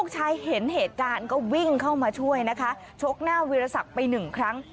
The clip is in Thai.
ชายเห็นเหตุการณ์ก็วิ่งเข้ามาช่วยนะคะชกหน้าวิรสักไปหนึ่งครั้ง